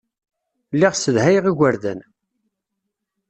Lliɣ ssedhayeɣ igerdan.